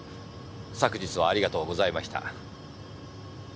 昨日はありがとうございました。